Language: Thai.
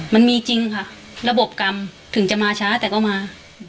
มันมีจริงค่ะระบบกรรมถึงจะมาช้าแต่ก็มา